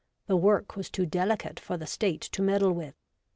The work was too delicate for the State to meddle with.